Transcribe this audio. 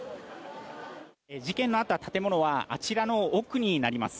事件のあった建物はあちらの奥になります。